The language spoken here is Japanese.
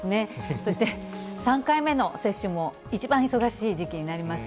そして３回目の接種も一番忙しい時期になります。